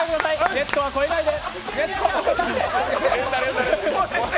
ネットは超えないで。